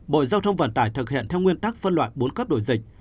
bộ giao thông vận tải thực hiện theo nguyên tắc phân loại bốn cấp đổi dịch